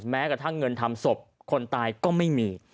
แม้กระทั่งเงินทำศพคนตายก็ไม่มี